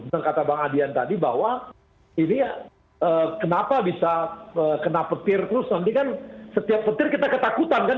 dan kata bang adian tadi bahwa ini kenapa bisa kena petir terus nanti kan setiap petir kita ketakutan kan